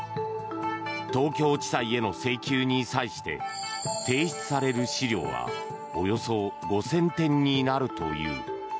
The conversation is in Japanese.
東京地裁への請求に際して提出される資料はおよそ５０００点になるという。